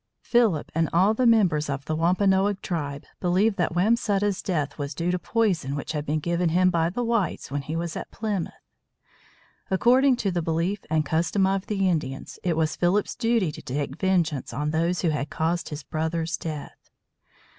Philip and all the members of the Wampanoag tribe believed that Wamsutta's death was due to poison which had been given him by the whites when he was at Plymouth. According to the belief and custom of the Indians, it was Philip's duty to take vengeance on those who had caused his brother's death.